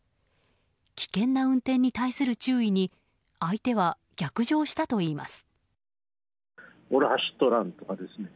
危険な運転に対する注意に相手は逆上したといいます。